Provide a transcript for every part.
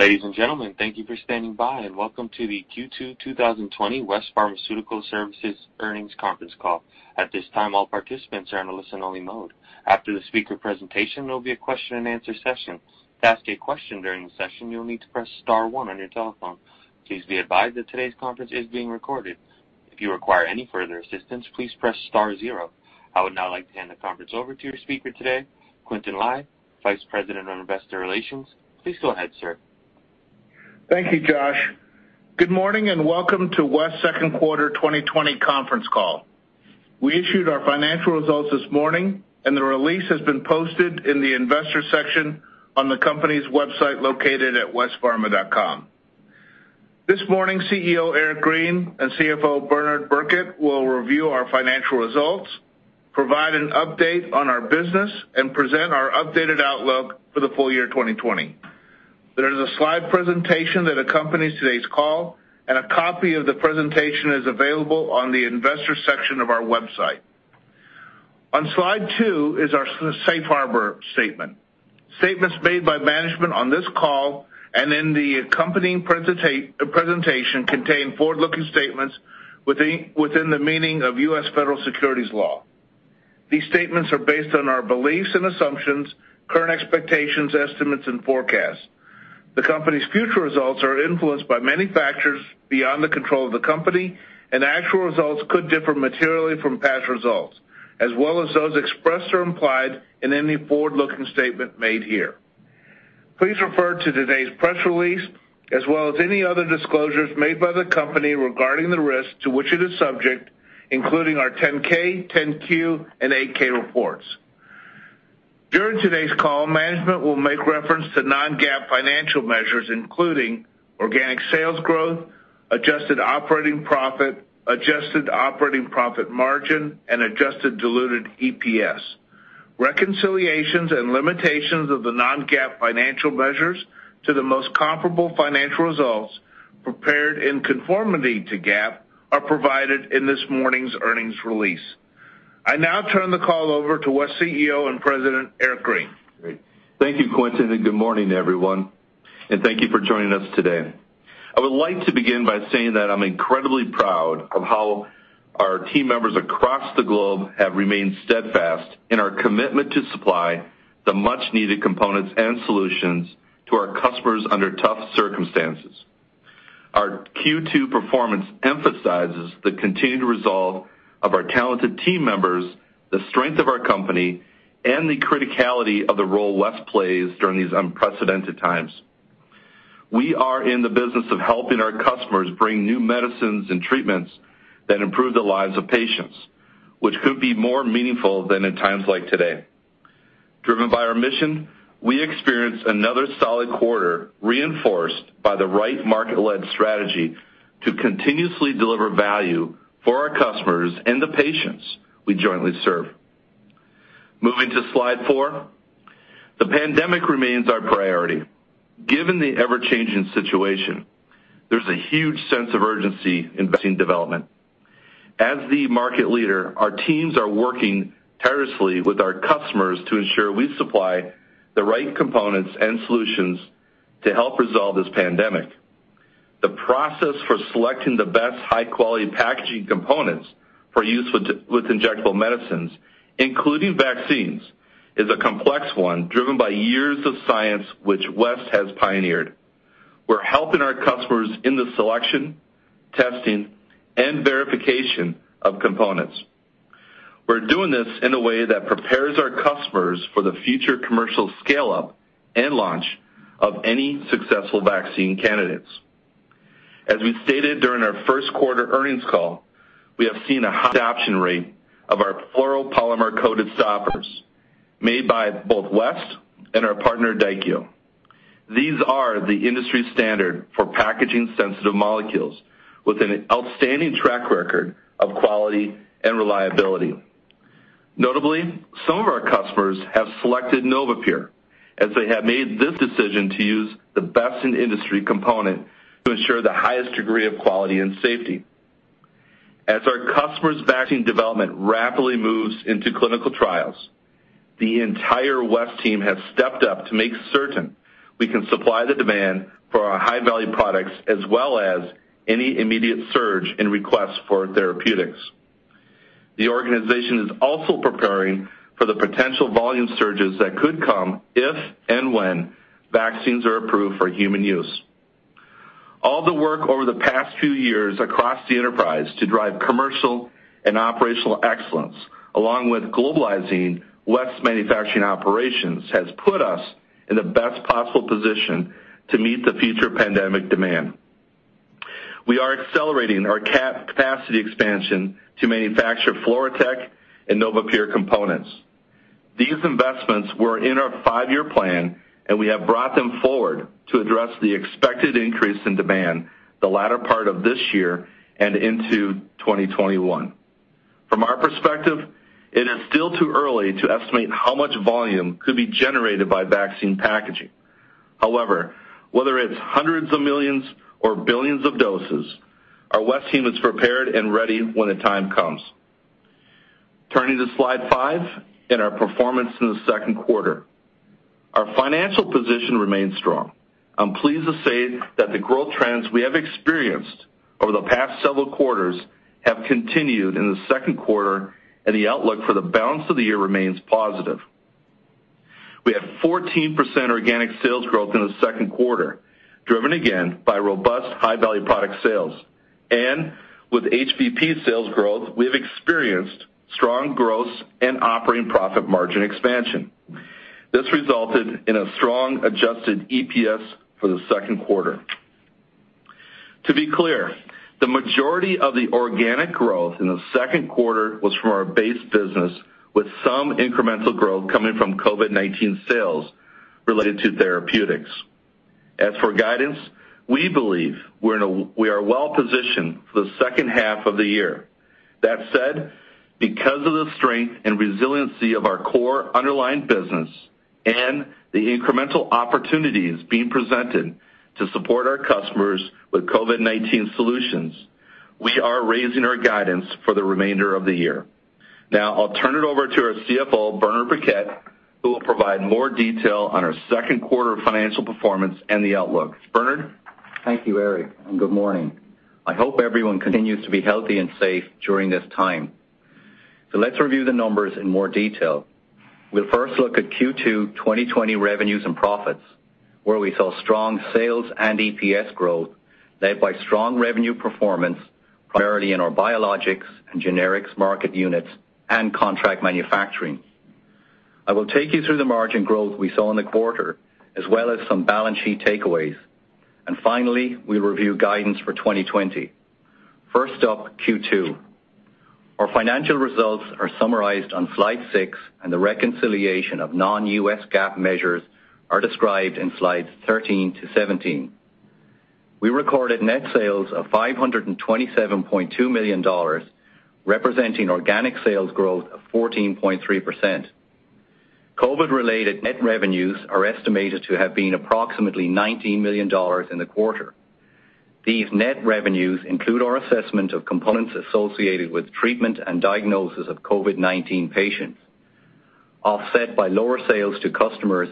Ladies and gentlemen, thank you for standing by, and welcome to the Q2 2020 West Pharmaceutical Services earnings conference call. At this time, all participants are in a listen-only mode. After the speaker presentation, there will be a question-and-answer session. To ask a question during the session, you'll need to press star one on your telephone. Please be advised that today's conference is being recorded. If you require any further assistance, please press star zero. I would now like to hand the conference over to your speaker today, Quintin Lai, Vice President of Investor Relations. Please go ahead, sir. Thank you, Josh. Good morning and welcome to West's second quarter 2020 conference call. We issued our financial results this morning, and the release has been posted in the investor section on the company's website located at westpharma.com. This morning, CEO Eric Green and CFO Bernard Birkett will review our financial results, provide an update on our business, and present our updated outlook for the full year 2020. There is a slide presentation that accompanies today's call, and a copy of the presentation is available on the investor section of our website. On slide two is our safe harbor statement. Statements made by management on this call and in the accompanying presentation contain forward-looking statements within the meaning of U.S. federal securities law. These statements are based on our beliefs and assumptions, current expectations, estimates, and forecasts. The company's future results are influenced by many factors beyond the control of the company, and actual results could differ materially from past results, as well as those expressed or implied in any forward-looking statement made here. Please refer to today's press release, as well as any other disclosures made by the company regarding the risks to which it is subject, including our 10-K, 10-Q, and 8-K reports. During today's call, management will make reference to non-GAAP financial measures, including organic sales growth, Adjusted Operating Profit, Adjusted Operating Profit margin, and Adjusted Diluted EPS. Reconciliations and limitations of the non-GAAP financial measures to the most comparable financial results prepared in conformity to GAAP are provided in this morning's earnings release. I now turn the call over to West CEO and President Eric Green. Great. Thank you, Quintin, and good morning, everyone. And thank you for joining us today. I would like to begin by saying that I'm incredibly proud of how our team members across the globe have remained steadfast in our commitment to supply the much-needed components and solutions to our customers under tough circumstances. Our Q2 performance emphasizes the continued resolve of our talented team members, the strength of our company, and the criticality of the role West plays during these unprecedented times. We are in the business of helping our customers bring new medicines and treatments that improve the lives of patients, which could be more meaningful than in times like today. Driven by our mission, we experienced another solid quarter reinforced by the right market-led strategy to continuously deliver value for our customers and the patients we jointly serve. Moving to slide four, the pandemic remains our priority. Given the ever-changing situation, there's a huge sense of urgency in investing development. As the market leader, our teams are working tirelessly with our customers to ensure we supply the right components and solutions to help resolve this pandemic. The process for selecting the best high-quality packaging components for use with injectable medicines, including vaccines, is a complex one driven by years of science which West has pioneered. We're helping our customers in the selection, testing, and verification of components. We're doing this in a way that prepares our customers for the future commercial scale-up and launch of any successful vaccine candidates. As we stated during our first quarter earnings call, we have seen a high adoption rate of our fluoropolymer-coated stoppers made by both West and our partner Daikyo. These are the industry standard for packaging-sensitive molecules with an outstanding track record of quality and reliability. Notably, some of our customers have selected NovaPure as they have made this decision to use the best in the industry component to ensure the highest degree of quality and safety. As our customers' vaccine development rapidly moves into clinical trials, the entire West team has stepped up to make certain we can supply the demand for our high-value products as well as any immediate surge in requests for therapeutics. The organization is also preparing for the potential volume surges that could come if and when vaccines are approved for human use. All the work over the past few years across the enterprise to drive commercial and operational excellence, along with globalizing West's manufacturing operations, has put us in the best possible position to meet the future pandemic demand. We are accelerating our capacity expansion to manufacture FluoroTec and NovaPure components. These investments were in our five-year plan, and we have brought them forward to address the expected increase in demand the latter part of this year and into 2021. From our perspective, it is still too early to estimate how much volume could be generated by vaccine packaging. However, whether it's hundreds of millions or billions of doses, our West team is prepared and ready when the time comes. Turning to slide five in our performance in the second quarter, our financial position remains strong. I'm pleased to say that the growth trends we have experienced over the past several quarters have continued in the second quarter, and the outlook for the balance of the year remains positive. We had 14% organic sales growth in the second quarter, driven again by robust high-value product sales, and with HVP sales growth, we have experienced strong gross and operating profit margin expansion. This resulted in a strong Adjusted EPS for the second quarter. To be clear, the majority of the organic growth in the second quarter was from our base business, with some incremental growth coming from COVID-19 sales related to therapeutics. As for guidance, we believe we are well-positioned for the second half of the year. That said, because of the strength and resiliency of our core underlying business and the incremental opportunities being presented to support our customers with COVID-19 solutions, we are raising our guidance for the remainder of the year. Now, I'll turn it over to our CFO, Bernard Birkett, who will provide more detail on our second quarter financial performance and the outlook. Bernard? Thank you, Eric, and good morning. I hope everyone continues to be healthy and safe during this time. So let's review the numbers in more detail. We'll first look at Q2 2020 revenues and profits, where we saw strong sales and EPS growth led by strong revenue performance, primarily in our Biologics and Generics market units and Contract Manufacturing. I will take you through the margin growth we saw in the quarter, as well as some balance sheet takeaways. And finally, we'll review guidance for 2020. First up, Q2. Our financial results are summarized on slide six, and the reconciliation of non-GAAP measures are described in slides 13 to 17. We recorded net sales of $527.2 million, representing organic sales growth of 14.3%. COVID-related net revenues are estimated to have been approximately $19 million in the quarter. These net revenues include our assessment of components associated with treatment and diagnosis of COVID-19 patients, offset by lower sales to customers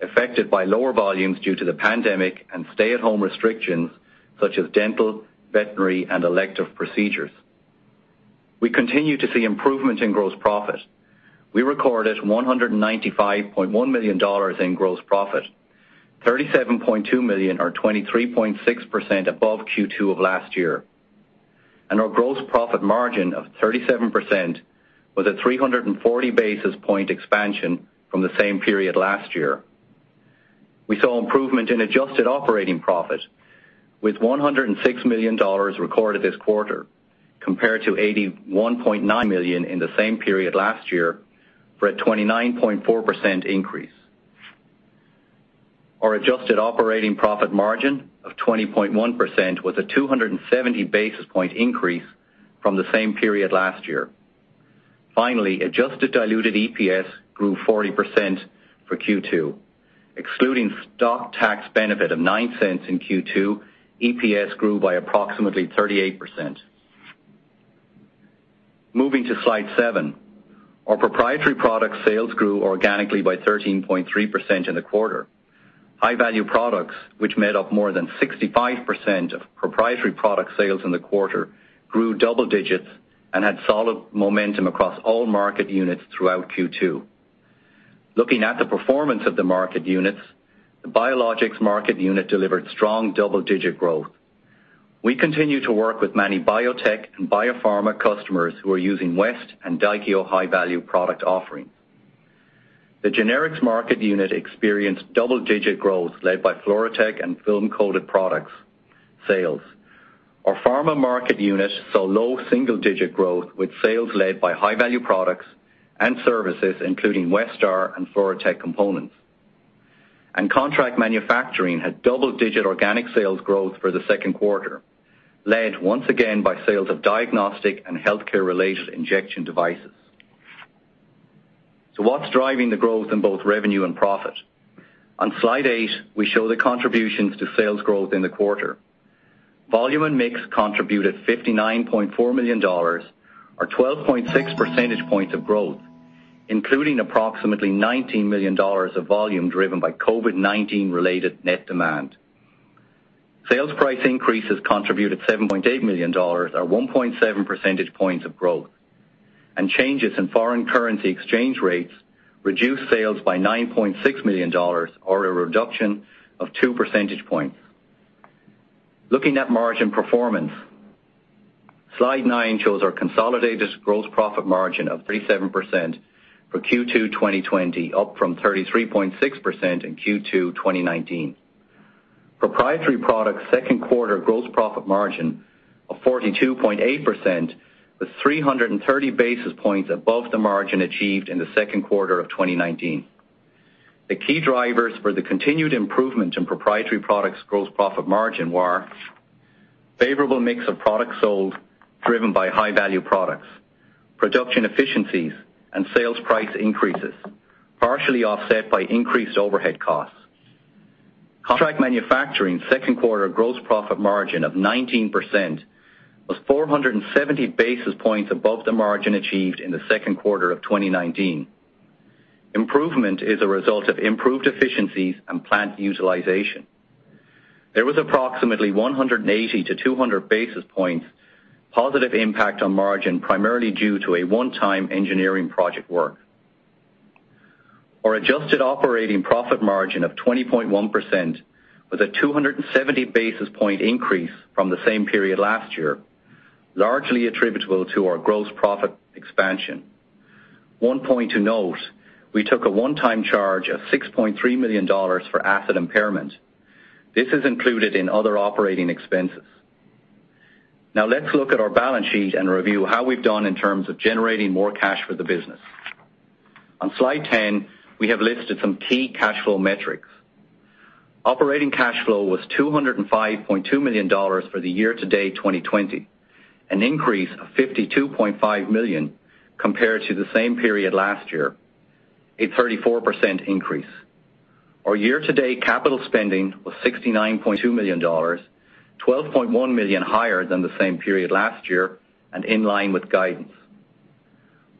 affected by lower volumes due to the pandemic and stay-at-home restrictions such as dental, veterinary, and elective procedures. We continue to see improvement in gross profit. We recorded $195.1 million in gross profit, $37.2 million, or 23.6% above Q2 of last year. And our gross profit margin of 37% was a 340 basis points expansion from the same period last year. We saw improvement in Adjusted Operating Profit, with $106 million recorded this quarter, compared to $81.9 million in the same period last year, for a 29.4% increase. Our Adjusted Operating Profit margin of 20.1% was a 270 basis points increase from the same period last year. Finally, Adjusted Diluted EPS grew 40% for Q2. Excluding stock tax benefit of $0.09 in Q2, EPS grew by approximately 38%. Moving to slide seven, our Proprietary product sales grew organically by 13.3% in the quarter. High-value products, which made up more than 65% of Proprietary Product sales in the quarter, grew double digits and had solid momentum across all market units throughout Q2. Looking at the performance of the market units, the Biologics market unit delivered strong double-digit growth. We continue to work with many biotech and biopharma customers who are using West and Daikyo high-value product offerings. The Generics market unit experienced double-digit growth led by FluoroTec and film-coated products sales. Our Pharma market unit saw low single-digit growth with sales led by high-value products and services, including Westar and FluoroTec components, and Contract Manufacturing had double-digit organic sales growth for the second quarter, led once again by sales of diagnostic and healthcare-related injection devices. So what's driving the growth in both revenue and profit? On slide eight, we show the contributions to sales growth in the quarter. Volume and mix contributed $59.4 million, or 12.6 percentage points of growth, including approximately $19 million of volume driven by COVID-19-related net demand. Sales price increases contributed $7.8 million, or 1.7 percentage points of growth. And changes in foreign currency exchange rates reduced sales by $9.6 million, or a reduction of 2 percentage points. Looking at margin performance, slide nine shows our consolidated gross profit margin of 37% for Q2 2020, up from 33.6% in Q2 2019. Proprietary Products' second quarter gross profit margin of 42.8% was 330 basis points above the margin achieved in the second quarter of 2019. The key drivers for the continued improvement in Proprietary Products' gross profit margin were favorable mix of products sold driven by high-value products, production efficiencies, and sales price increases, partially offset by increased overhead costs. Contract Manufacturing's second quarter gross profit margin of 19% was 470 basis points above the margin achieved in the second quarter of 2019. Improvement is a result of improved efficiencies and plant utilization. There was approximately 180 to 200 basis points positive impact on margin, primarily due to a one-time engineering project work. Our Adjusted Operating Profit margin of 20.1% was a 270 basis point increase from the same period last year, largely attributable to our gross profit expansion. One point to note, we took a one-time charge of $6.3 million for asset impairment. This is included in other operating expenses. Now, let's look at our balance sheet and review how we've done in terms of generating more cash for the business. On slide 10, we have listed some key cash flow metrics. Operating cash flow was $205.2 million for the year-to-date 2020, an increase of $52.5 million compared to the same period last year, a 34% increase. Our year-to-date capital spending was $69.2 million, $12.1 million higher than the same period last year and in line with guidance.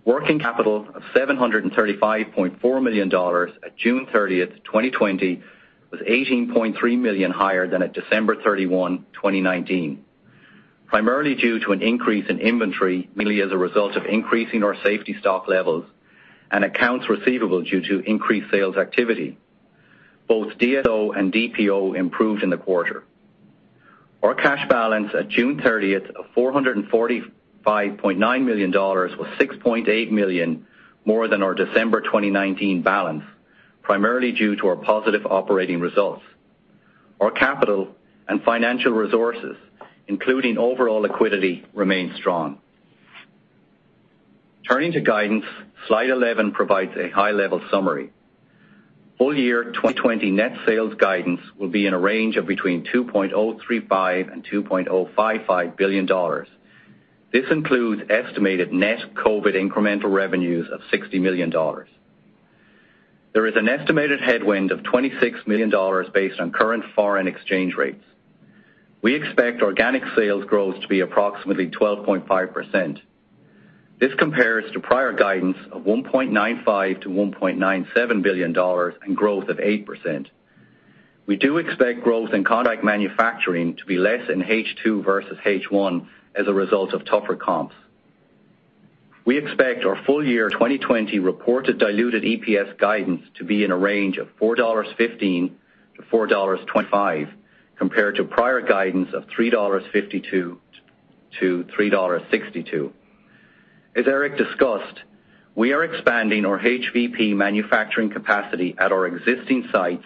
Working capital of $735.4 million at June 30th, 2020, was $18.3 million higher than at December 31, 2019, primarily due to an increase in inventory, mainly as a result of increasing our safety stock levels and accounts receivable due to increased sales activity. Both DSO and DPO improved in the quarter. Our cash balance at June 30th of $445.9 million was $6.8 million more than our December 2019 balance, primarily due to our positive operating results. Our capital and financial resources, including overall liquidity, remained strong. Turning to guidance, slide 11 provides a high-level summary. Whole year 2020 net sales guidance will be in a range of between $2.035 and $2.055 billion. This includes estimated net COVID incremental revenues of $60 million. There is an estimated headwind of $26 million based on current foreign exchange rates. We expect organic sales growth to be approximately 12.5%. This compares to prior guidance of $1.95 to $1.97 billion and growth of 8%. We do expect growth in Contract Manufacturing to be less in H2 versus H1 as a result of tougher comps. We expect our full year 2020 reported diluted EPS guidance to be in a range of $4.15-$4.25 compared to prior guidance of $3.52-$3.62. As Eric discussed, we are expanding our HVP manufacturing capacity at our existing sites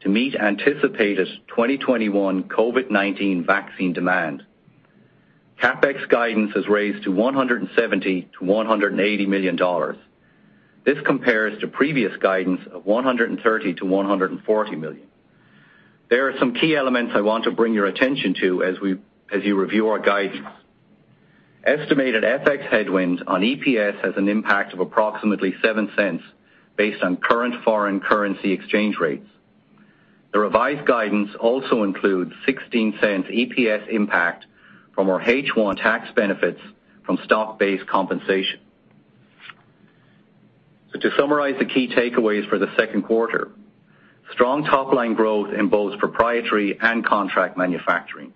to meet anticipated 2021 COVID-19 vaccine demand. CapEx guidance is raised to $170-$180 million. This compares to previous guidance of $130-$140 million. There are some key elements I want to bring your attention to as you review our guidance. Estimated FX headwind on EPS has an impact of approximately $0.07 based on current foreign currency exchange rates. The revised guidance also includes $0.16 EPS impact from our H1 tax benefits from stock-based compensation. So to summarize the key takeaways for the second quarter, strong top-line growth in both Proprietary and Contract Manufacturing,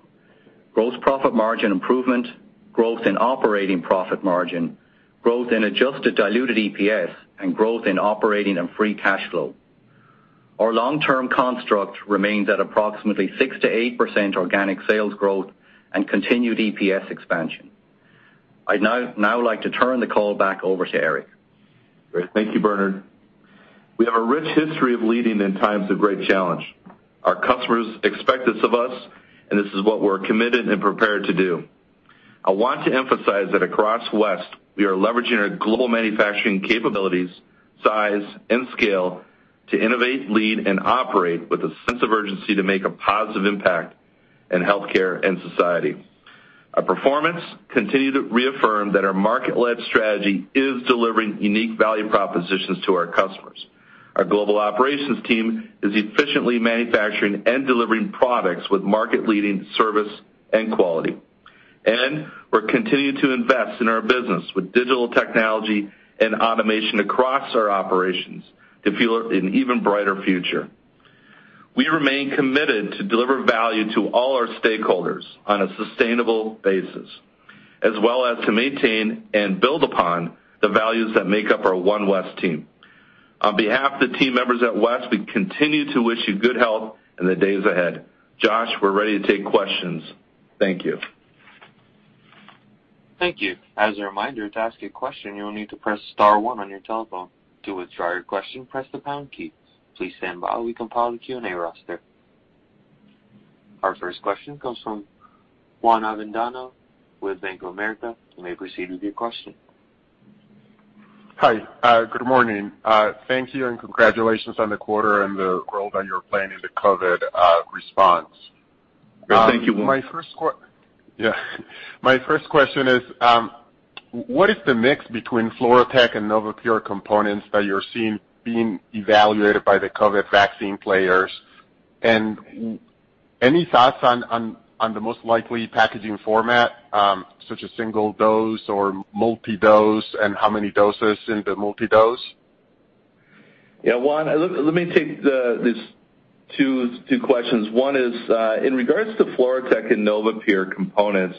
gross profit margin improvement, growth in operating profit margin, growth in Adjusted Diluted EPS, and growth in operating and free cash flow. Our long-term construct remains at approximately 6%-8% organic sales growth and continued EPS expansion. I'd now like to turn the call back over to Eric. Great. Thank you, Bernard. We have a rich history of leading in times of great challenge. Our customers expect this of us, and this is what we're committed and prepared to do. I want to emphasize that across West, we are leveraging our global manufacturing capabilities, size, and scale to innovate, lead, and operate with a sense of urgency to make a positive impact in healthcare and society. Our performance continues to reaffirm that our market-led strategy is delivering unique value propositions to our customers. Our global operations team is efficiently manufacturing and delivering products with market-leading service and quality. And we're continuing to invest in our business with digital technology and automation across our operations to fuel an even brighter future. We remain committed to deliver value to all our stakeholders on a sustainable basis, as well as to maintain and build upon the values that make up our One West team. On behalf of the team members at West, we continue to wish you good health in the days ahead. Josh, we're ready to take questions. Thank you. Thank you. As a reminder, to ask a question, you will need to press star one on your telephone. To withdraw your question, press the pound key. Please stand by while we compile the Q&A roster. Our first question comes from Juan Avendano with Bank of America. You may proceed with your question. Hi. Good morning. Thank you and congratulations on the quarter and the growth that you're planning to COVID response. Thank you. My first question is, what is the mix between FluoroTec and NovaPure components that you're seeing being evaluated by the COVID vaccine players? And any thoughts on the most likely packaging format, such as single-dose or multi-dose, and how many doses in the multi-dose? Yeah, Juan, let me take these two questions. One is, in regards to FluoroTec and NovaPure components,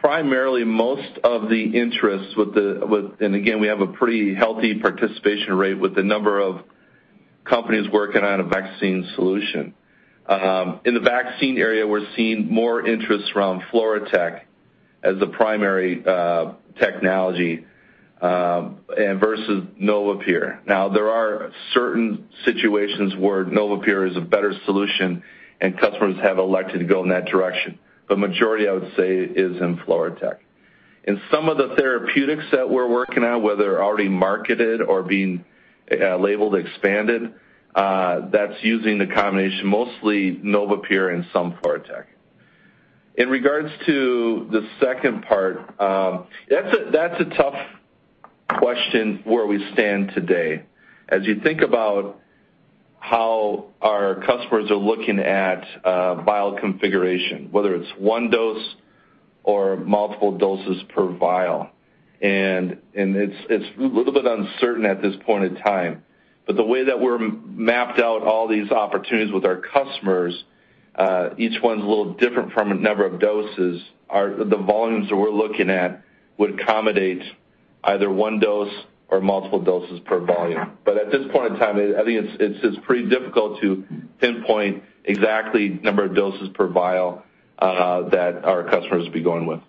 primarily most of the interest with the, and again, we have a pretty healthy participation rate with the number of companies working on a vaccine solution. In the vaccine area, we're seeing more interest from FluoroTec as the primary technology versus NovaPure. Now, there are certain situations where NovaPure is a better solution, and customers have elected to go in that direction. But the majority, I would say, is in FluoroTec. In some of the therapeutics that we're working on, whether already marketed or being labeled expanded, that's using the combination mostly NovaPure and some FluoroTec. In regards to the second part, that's a tough question where we stand today. As you think about how our customers are looking at vial configuration, whether it's one dose or multiple doses per vial, and it's a little bit uncertain at this point in time. But the way that we're mapped out all these opportunities with our customers, each one's a little different from a number of doses, the volumes that we're looking at would accommodate either one dose or multiple doses per volume. But at this point in time, I think it's pretty difficult to pinpoint exactly the number of doses per vial that our customers would be going with.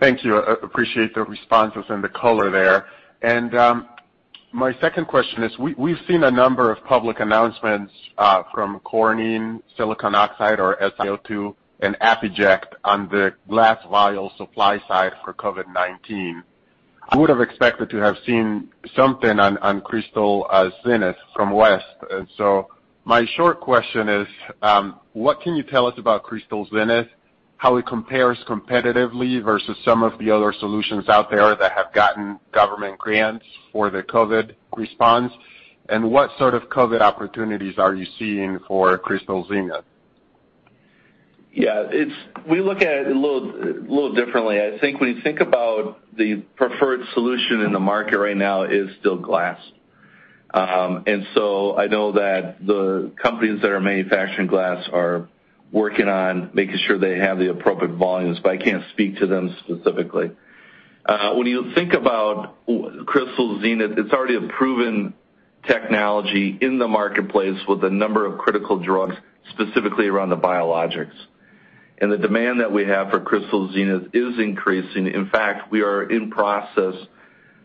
Thank you. I appreciate the responses and the color there. And my second question is, we've seen a number of public announcements from Corning, SiO2 or SiO2 and ApiJect on the glass vial supply side for COVID-19. I would have expected to have seen something on Crystal Zenith from West. And so my short question is, what can you tell us about Crystal Zenith, how it compares competitively versus some of the other solutions out there that have gotten government grants for the COVID response, and what sort of COVID opportunities are you seeing for Crystal Zenith? Yeah. We look at it a little differently. I think when you think about the preferred solution in the market right now is still glass. And so I know that the companies that are manufacturing glass are working on making sure they have the appropriate volumes, but I can't speak to them specifically. When you think about Crystal Zenith, it's already a proven technology in the marketplace with a number of critical drugs, specifically around the biologics. And the demand that we have for Crystal Zenith is increasing. In fact, we are in process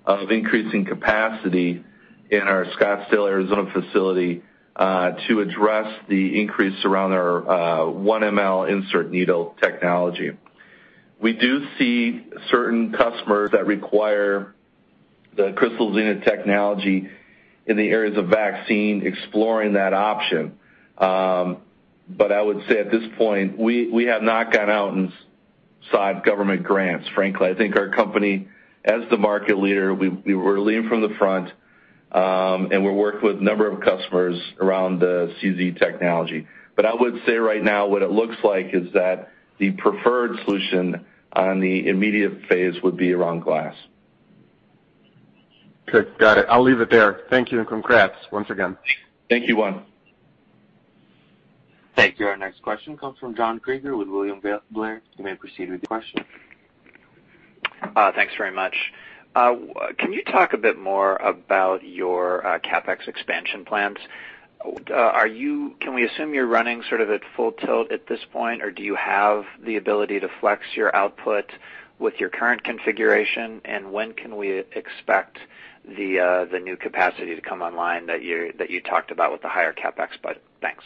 of increasing capacity in our Scottsdale, Arizona facility to address the increase around our 1 mL Insert Needle technology. We do see certain customers that require the Crystal Zenith technology in the areas of vaccine exploring that option. But I would say at this point, we have not gone out and sought government grants, frankly. I think our company, as the market leader, we were leading from the front, and we're working with a number of customers around the CZ technology. But I would say right now, what it looks like is that the preferred solution on the immediate phase would be around glass. Okay. Got it. I'll leave it there. Thank you and congrats once again. Thank you, Juan. Thank you. Our next question comes from John Kreger with William Blair. You may proceed with your question. Thanks very much. Can you talk a bit more about your CapEx expansion plans? Can we assume you're running sort of at full tilt at this point, or do you have the ability to flex your output with your current configuration, and when can we expect the new capacity to come online that you talked about with the higher CapEx banks?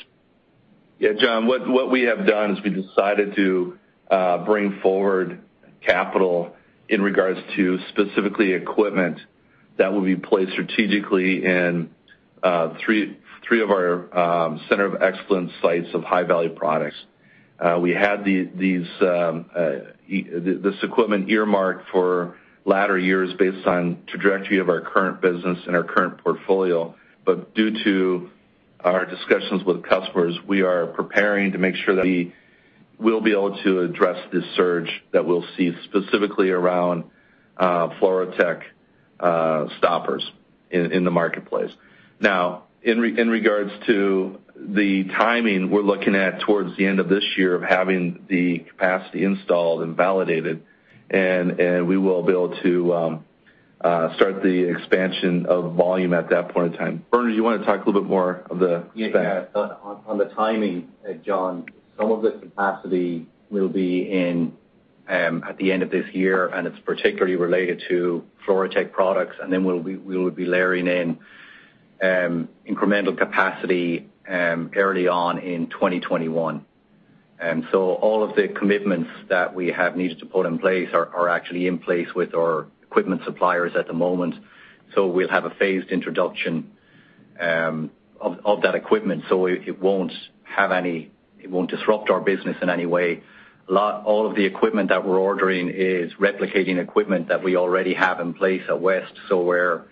Yeah, John, what we have done is we decided to bring forward capital in regards to specifically equipment that will be placed strategically in three of our center of excellence sites of high-value products. We had this equipment earmarked for later years based on the trajectory of our current business and our current portfolio, but due to our discussions with customers, we are preparing to make sure that we will be able to address this surge that we'll see specifically around FluoroTec stoppers in the marketplace. Now, in regards to the timing, we're looking at towards the end of this year of having the capacity installed and validated, and we will be able to start the expansion of volume at that point in time. Bernard, do you want to talk a little bit more of the spend? Yeah. On the timing, John, some of the capacity will be at the end of this year, and it's particularly related to FluoroTec products. And then we will be layering in incremental capacity early on in 2021. And so all of the commitments that we have needed to put in place are actually in place with our equipment suppliers at the moment. So we'll have a phased introduction of that equipment. So it won't have any. It won't disrupt our business in any way. All of the equipment that we're ordering is replicating equipment that we already have in place at West, so we're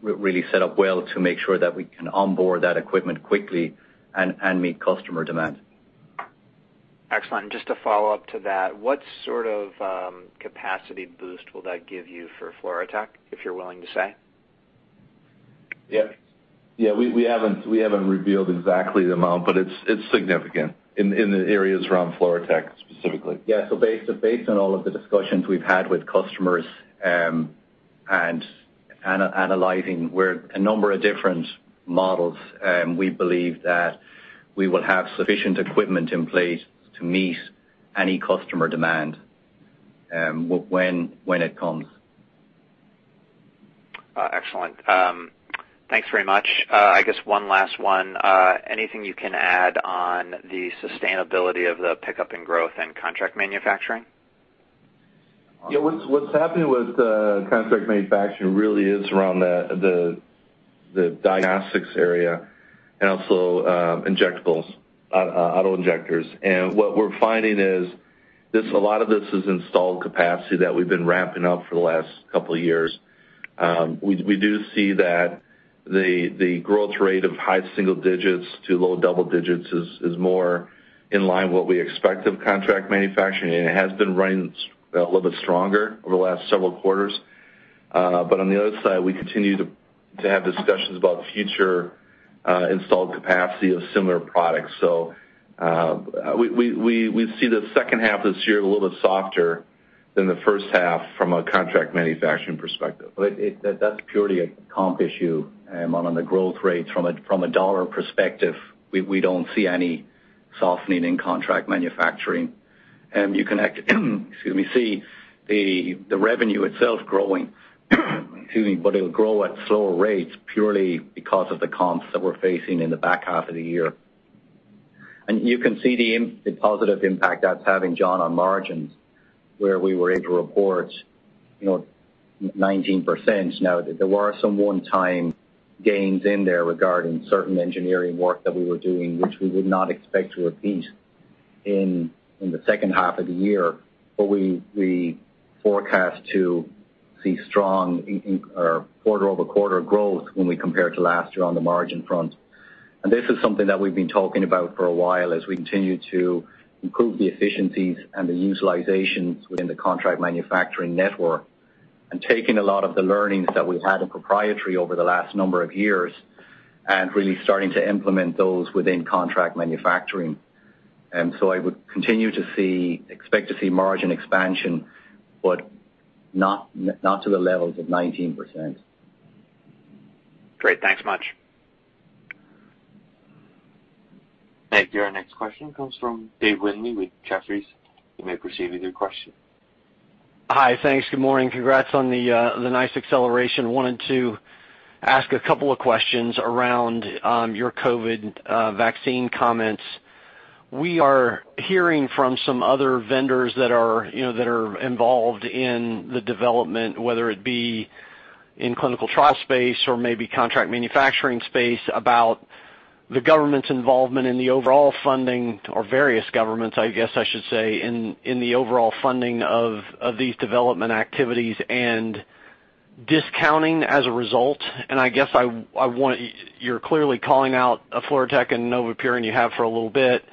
really set up well to make sure that we can onboard that equipment quickly and meet customer demand. Excellent. And just to follow up to that, what sort of capacity boost will that give you for FluoroTec, if you're willing to say? Yeah. Yeah. We haven't revealed exactly the amount, but it's significant in the areas around FluoroTec specifically. Yeah. So based on all of the discussions we've had with customers and analyzing a number of different models, we believe that we will have sufficient equipment in place to meet any customer demand when it comes. Excellent. Thanks very much. I guess one last one. Anything you can add on the sustainability of the pickup and growth and Contract Manufacturing? Yeah. What's happening with Contract Manufacturing really is around the diagnostics area and also injectables, auto injectors. And what we're finding is a lot of this is installed capacity that we've been ramping up for the last couple of years. We do see that the growth rate of high single digits to low double digits is more in line with what we expect of Contract Manufacturing. And it has been running a little bit stronger over the last several quarters. But on the other side, we continue to have discussions about future installed capacity of similar products. So we see the second half of this year a little bit softer than the first half from a Contract Manufacturing perspective. But that's purely a comp issue. And on the growth rate from a dollar perspective, we don't see any softening in Contract Manufacturing. And you can see the revenue itself growing, excuse me, but it'll grow at slower rates purely because of the comps that we're facing in the back half of the year. And you can see the positive impact that's having, John, on margins where we were able to report 19%. Now, there were some one-time gains in there regarding certain engineering work that we were doing, which we would not expect to repeat in the second half of the year. But we forecast to see strong quarter-over-quarter growth when we compare to last year on the margin front. This is something that we've been talking about for a while as we continue to improve the efficiencies and the utilizations within the Contract Manufacturing network and taking a lot of the learnings that we had in Proprietary over the last number of years and really starting to implement those within Contract Manufacturing. So I would continue to expect to see margin expansion, but not to the levels of 19%. Great. Thanks much. Thank you. Our next question comes from Dave Windley with Jefferies. You may proceed with your question. Hi. Thanks. Good morning. Congrats on the nice acceleration. Wanted to ask a couple of questions around your COVID vaccine comments. We are hearing from some other vendors that are involved in the development, whether it be in clinical trial space or maybe Contract Manufacturing space, about the government's involvement in the overall funding or various governments, I guess I should say, in the overall funding of these development activities and discounting as a result. And I guess you're clearly calling out FluoroTec and NovaPure, and you have for a little bit.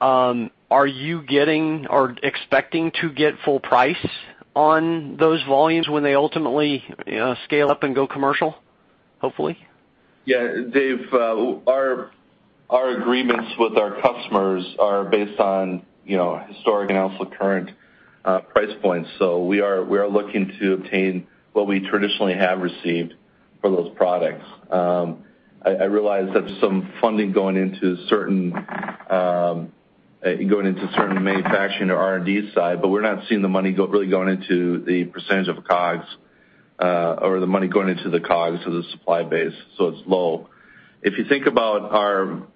Are you getting or expecting to get full price on those volumes when they ultimately scale up and go commercial, hopefully? Yeah. Our agreements with our customers are based on historic and also current price points. So we are looking to obtain what we traditionally have received for those products. I realize that there's some funding going into certain manufacturing or R&D side, but we're not seeing the money really going into the percentage of COGS or the money going into the COGS of the supply base. So it's low. If you think about our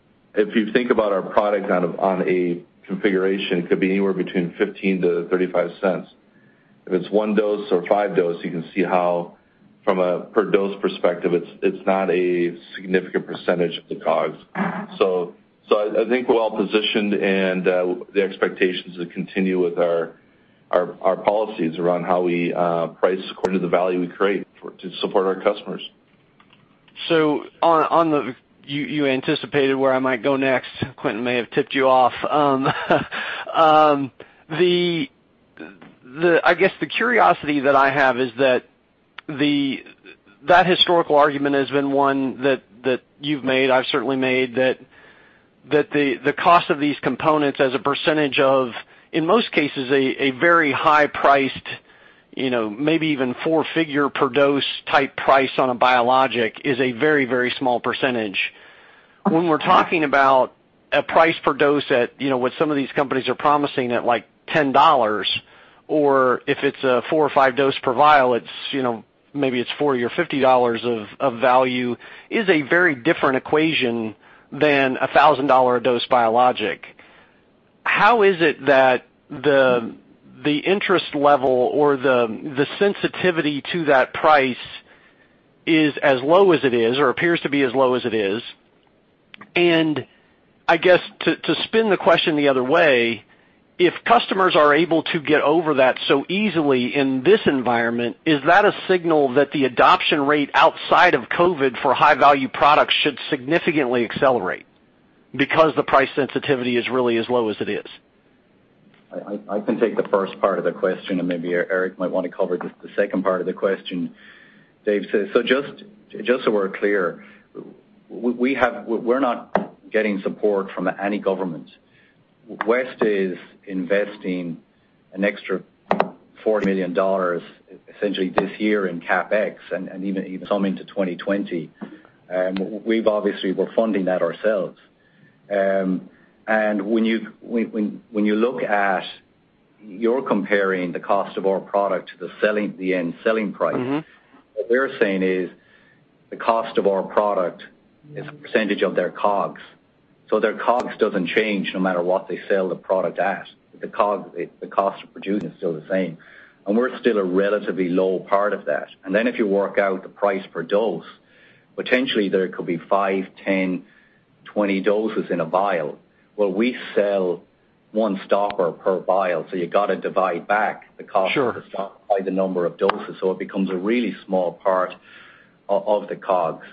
product on a configuration, it could be anywhere between $0.15-$0.35. If it's one dose or five dose, you can see how from a per-dose perspective, it's not a significant percentage of the COGS. So I think we're well positioned, and the expectations will continue with our policies around how we price according to the value we create to support our customers. So you anticipated where I might go next. Quintin may have tipped you off. I guess the curiosity that I have is that that historical argument has been one that you've made, I've certainly made, that the cost of these components as a percentage of, in most cases, a very high-priced, maybe even four-figure-per-dose type price on a biologic is a very, very small percentage. When we're talking about a price per dose at what some of these companies are promising at like $10, or if it's a four or five dose per vial, maybe it's $40 or $50 of value, is a very different equation than a $1,000 a dose biologic. How is it that the interest level or the sensitivity to that price is as low as it is or appears to be as low as it is? I guess to spin the question the other way, if customers are able to get over that so easily in this environment, is that a signal that the adoption rate outside of COVID for high-value products should significantly accelerate because the price sensitivity is really as low as it is? I can take the first part of the question, and maybe Eric might want to cover just the second part of the question. Dave, so just so we're clear, we're not getting support from any government. West is investing an extra $4 million essentially this year in CapEx and even some into 2020. We've obviously been funding that ourselves. And when you look at, you're comparing the cost of our product to the end selling price, what we're saying is the cost of our product is a percentage of their COGS. So their COGS doesn't change no matter what they sell the product at. The cost of producing is still the same. And we're still a relatively low part of that. And then if you work out the price per dose, potentially there could be five, 10, 20 doses in a vial. We sell one stopper per vial, so you've got to divide back the cost of the stopper by the number of doses. So it becomes a really small part of the COGS.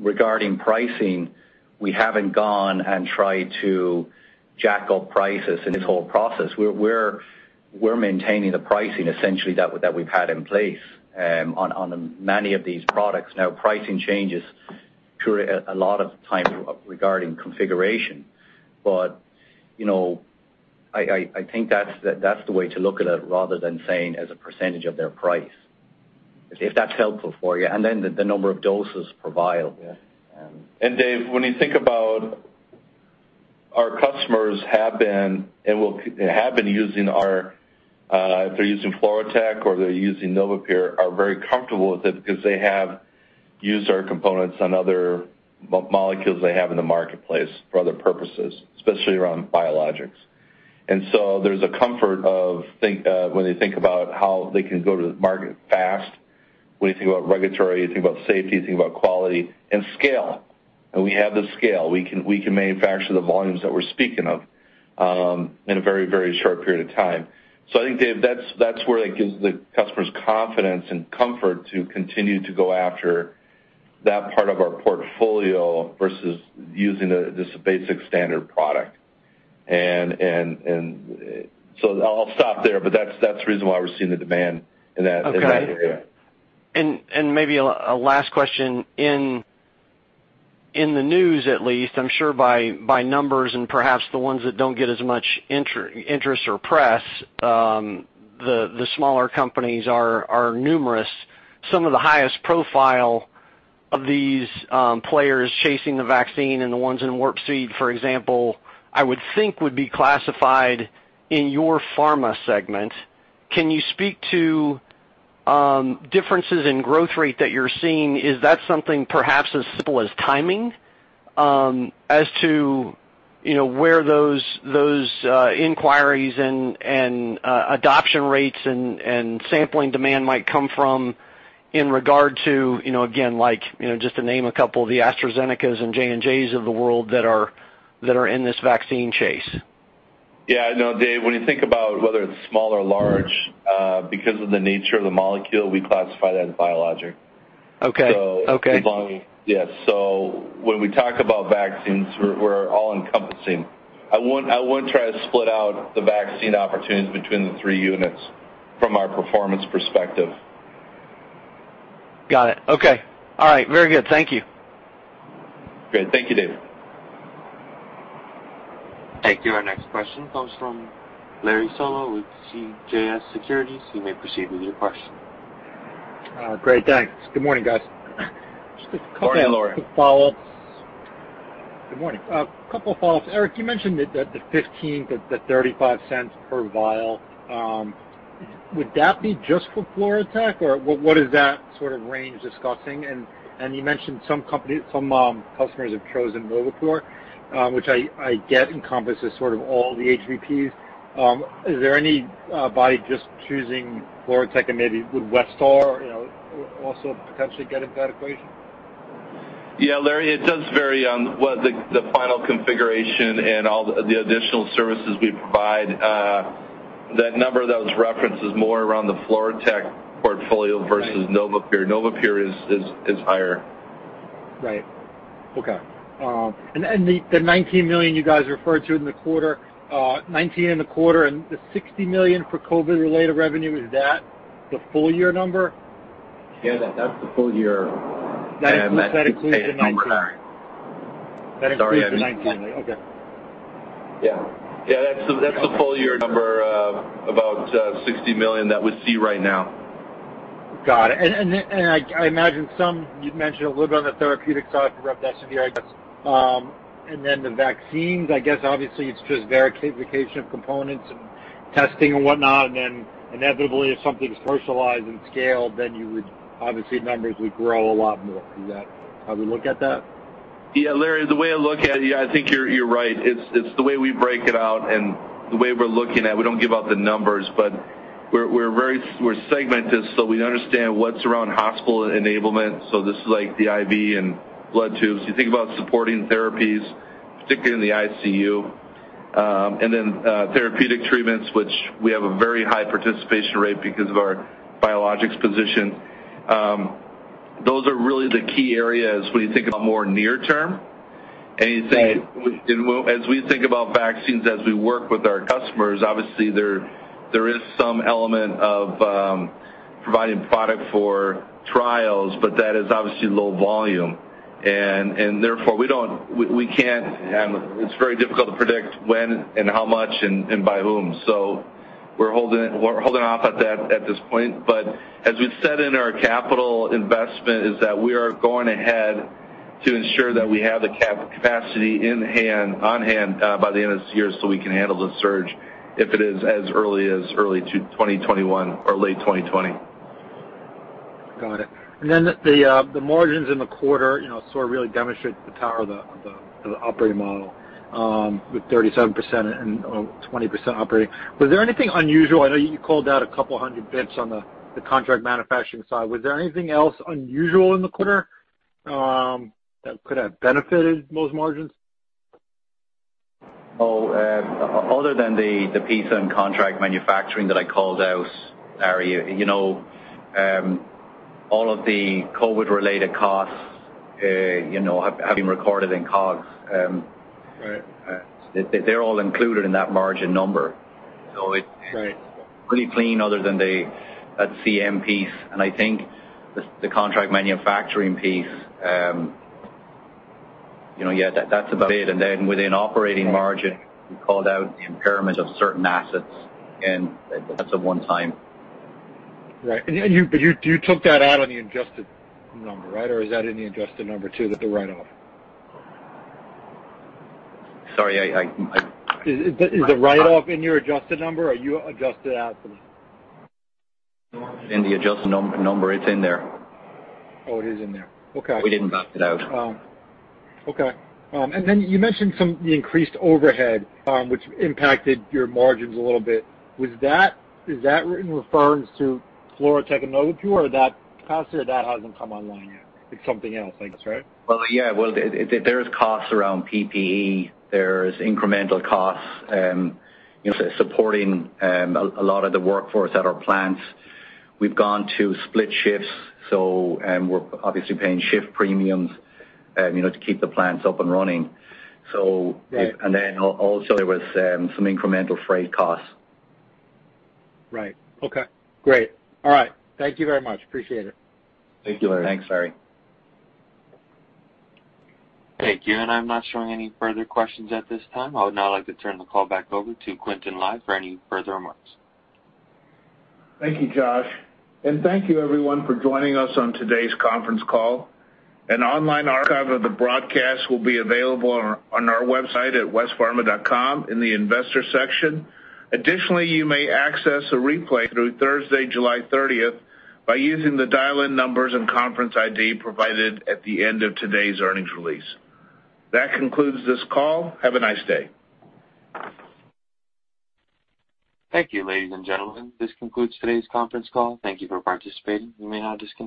Regarding pricing, we haven't gone and tried to jack up prices in this whole process. We're maintaining the pricing essentially that we've had in place on many of these products. Now, pricing changes a lot of times regarding configuration. But I think that's the way to look at it rather than saying as a percentage of their price, if that's helpful for you. And then the number of doses per vial. Dave, when you think about our customers who have been using—or if they're using FluoroTec or they're using NovaPure—they are very comfortable with it because they have used our components and other molecules they have in the marketplace for other purposes, especially around biologics. So there's a comfort when they think about how they can go to the market fast. When you think about regulatory, you think about safety, you think about quality and scale. We have the scale. We can manufacture the volumes that we're speaking of in a very, very short period of time. I think, Dave, that's where that gives the customers confidence and comfort to continue to go after that part of our portfolio versus using this basic standard product. I'll stop there, but that's the reason why we're seeing the demand in that area. Okay. And maybe a last question. In the news, at least, I'm sure by numbers and perhaps the ones that don't get as much interest or press, the smaller companies are numerous. Some of the highest profile of these players chasing the vaccine and the ones in Warp Speed, for example, I would think would be classified in your pharma segment. Can you speak to differences in growth rate that you're seeing? Is that something perhaps as simple as timing as to where those inquiries and adoption rates and sampling demand might come from in regard to, again, just to name a couple, the AstraZenecas and J&Js of the world that are in this vaccine chase? Yeah. No, Dave, when you think about whether it's small or large, because of the nature of the molecule, we classify that as biologic. So as long as, yeah. So when we talk about vaccines, we're all-encompassing. I wouldn't try to split out the vaccine opportunities between the three units from our performance perspective. Got it. Okay. All right. Very good. Thank you. Great. Thank you, Dave. Thank you. Our next question comes from Larry Solow with CJS Securities. You may proceed with your question. Great. Thanks. Good morning, guys. Just a couple of follow-ups. Good morning. A couple of follow-ups. Eric, you mentioned that the $0.15-$0.35 per vial, would that be just for FluoroTec, or what is that sort of range discussing? And you mentioned some customers have chosen NovaPure, which I get encompasses sort of all the HVPs. Is there anybody just choosing FluoroTec, and maybe would Westar also potentially get into that equation? Yeah. Larry, it does vary on the final configuration and the additional services we provide. That number that was referenced is more around the FluoroTec portfolio versus NovaPure. NovaPure is higher. Right. Okay. And the $19 million you guys referred to in the quarter, $19 in the quarter, and the $60 million for COVID-related revenue, is that the full year number? Yeah. That's the full year. That includes the number. Sorry. That includes the $19 million. Okay. Yeah. Yeah. That's the full year number about $60 million that we see right now. Got it. And I imagine some you'd mentioned a little bit on the therapeutic side for remdesivir, U.S. And then the vaccines, I guess, obviously, it's just verification of components and testing and whatnot. And then inevitably, if something's commercialized and scaled, then obviously numbers would grow a lot more. Is that how we look at that? Yeah. Larry, the way I look at it, I think you're right. It's the way we break it out and the way we're looking at it. We don't give out the numbers, but we're segmented so we understand what's around hospital enablement. So this is like the IV and blood tubes. You think about supporting therapies, particularly in the ICU, and then therapeutic treatments, which we have a very high participation rate because of our biologics position. Those are really the key areas when you think about more near-term. And as we think about vaccines, as we work with our customers, obviously, there is some element of providing product for trials, but that is obviously low volume. And therefore, we can't. It's very difficult to predict when and how much and by whom. So we're holding off at this point. But as we said in our capital investment, is that we are going ahead to ensure that we have the capacity on hand by the end of this year so we can handle the surge if it is as early as early 2021 or late 2020. Got it. And then the margins in the quarter sort of really demonstrate the power of the operating model with 37% and 20% operating. Was there anything unusual? I know you called out a couple hundred basis points on the Contract Manufacturing side. Was there anything else unusual in the quarter that could have benefited most margins? Oh, other than the piece on Contract Manufacturing that I called out, all of the COVID-related costs have been recorded in COGS. They're all included in that margin number. So it's pretty clean other than that CM piece. And I think the Contract Manufacturing piece, yeah, that's about it. And then within operating margin, we called out the impairment of certain assets. And that's a one-time. Right. And you took that out on the adjusted number, right? Or is that in the adjusted number too? The write-off? Sorry. Is the write-off in your adjusted number? Are you adjusted out for this? It's in the adjusted number. It's in there. Oh, it is in there. Okay. We didn't back it out. Okay. And then you mentioned some increased overhead, which impacted your margins a little bit. Is that referring to FluoroTec and NovaPure, or that capacity or that hasn't come online yet? It's something else. Right? There are costs around PPE. There are incremental costs supporting a lot of the workforce at our plants. We've gone to split shifts, so we're obviously paying shift premiums to keep the plants up and running. And then also, there were some incremental freight costs. Right. Okay. Great. All right. Thank you very much. Appreciate it. Thank you, Larry. Thanks, Larry. Thank you. And I'm not showing any further questions at this time. I would now like to turn the call back over to Quintin Lai for any further remarks. Thank you, Josh. And thank you, everyone, for joining us on today's conference call. An online archive of the broadcast will be available on our website at westpharma.com in the investor section. Additionally, you may access a replay through Thursday, July 30th, by using the dial-in numbers and conference ID provided at the end of today's earnings release. That concludes this call. Have a nice day. Thank you, ladies and gentlemen. This concludes today's conference call. Thank you for participating. You may now disconnect.